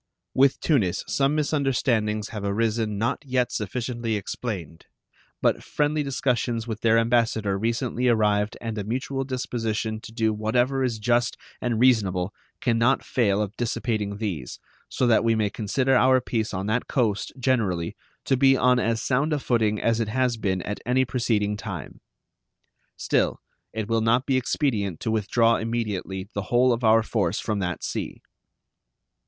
With Tunis some misunderstandings have arisen not yet sufficiently explained, but friendly discussions with their ambassador recently arrived and a mutual disposition to do whatever is just and reasonable can not fail of dissipating these, so that we may consider our peace on that coast, generally, to be on as sound a footing as it has been at any preceding time. Still, it will not be expedient to withdraw immediately the whole of our force from that sea.